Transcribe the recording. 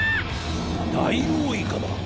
ダイオウイカだ！